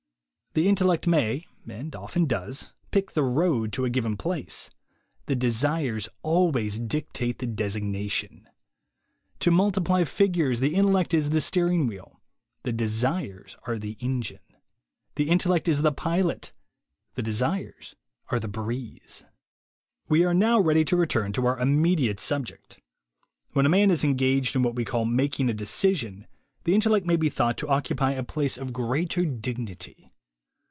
The intellect may, and often docs, pick the road to a given place; the desires always dictate the designation. To multiply figures, the intellect is the steering gear, the desires are the engine; the intellect is the pilot, the desires are the breeze. We are now ready to return to our immediate subject. When a man is engaged in what we call making a decision, the intellect may be thought to occupy a place of greater dignity.